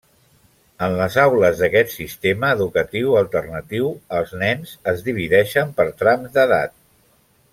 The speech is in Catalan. En les aules d'aquest sistema educatiu alternatiu els nens es divideixen per trams d'edat.